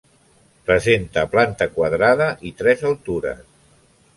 Presenta planta quadrada i tres altures.